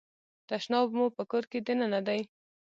تشناب مو په کور کې دننه دی؟